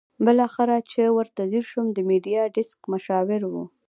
بالاخره چې ورته ځېر شوم د میډیا ډیسک مشاور وو.